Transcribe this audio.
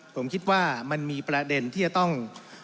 ผมคิดว่ามันมีประเด็นที่จะต้อง